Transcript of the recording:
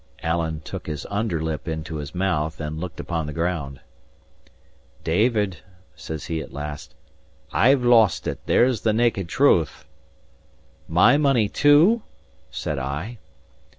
Alan took his under lip into his mouth, and looked upon the ground. "David," says he at last, "I've lost it; there's the naked truth." "My money too?" said I.